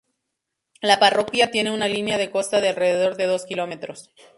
La parroquia tiene una línea de costa de alrededor de dos kilómetros.